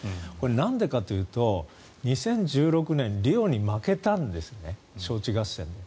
なんでかというと２０１６年、リオに負けたんです招致合戦で。